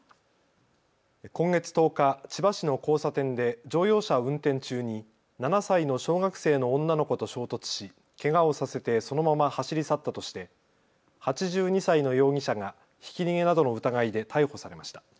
今月１０日、千葉市の交差点で乗用車を運転中に７歳の小学生の女の子と衝突し、けがをさせてそのまま走り去ったとして８２歳の容疑者がひき逃げなどの疑いで逮捕されました。